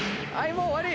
もう終わり。